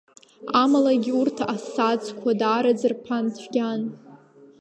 Амалагьы урҭ, асаӡқәа, даараӡа рԥан цәгьан.